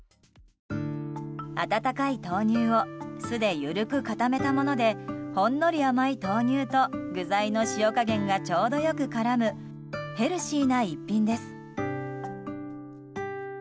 温かい豆乳を酢で緩く固めたものでほんのり甘い豆乳と具材の塩加減がちょうどよく絡むヘルシーな一品です。